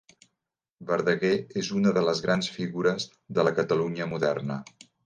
Verdaguer és una de les grans figures de la Catalunya moderna.